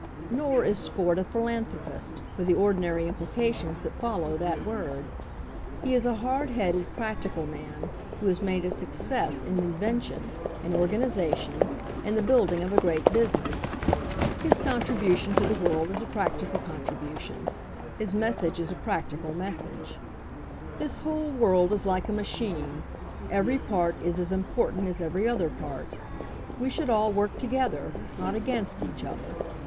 Nor is Ford a philanthropist, with the ordi nary implications that follow that word. He is a hard headed, practical man, who has made a suc cess in invention, in organization, in the building of a great business. His contribution to the world is a practical contribution. His message is a practical message. 156 HENRY FORD'S OWN STORY "This whole world is like a machine— every part is as important as every other part. We should all work together, not against each other.